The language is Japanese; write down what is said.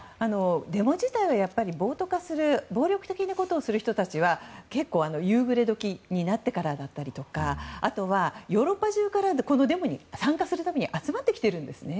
デモ自体は暴徒化する暴力的なことをする人たちは結構、夕暮れ時になってからだったりとかあとは、ヨーロッパ中からこのデモに参加するために集まってきてるんですね。